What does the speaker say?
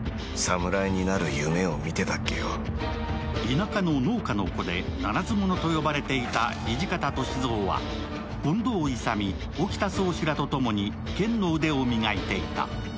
田舎の農家の子で、ならず者と呼ばれていた土方歳三は、近藤勇、沖田総司らとともに剣の腕を磨いていた。